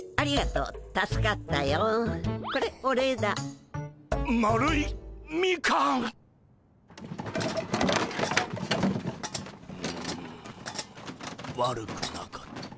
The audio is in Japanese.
うん悪くなかった。